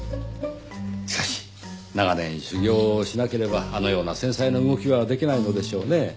しかし長年修業をしなければあのような繊細な動きはできないのでしょうね。